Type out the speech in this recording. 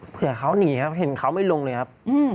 เผื่อเขาหนีครับเห็นเขาไม่ลงเลยครับ